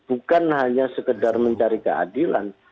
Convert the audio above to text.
bukan hanya sekedar mencari keadilan